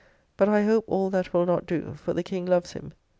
But I hope all that will not do, for the King loves him.